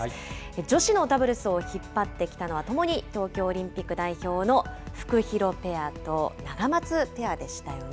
女子のダブルスを引っ張ってきたのは、ともに東京オリンピック代表のフクヒロペアとナガマツペアでしたよね。